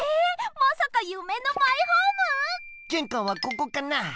まさかゆめのマイホーム⁉げんかんはここかな？